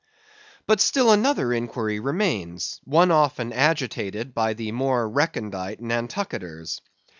But still another inquiry remains; one often agitated by the more recondite Nantucketers.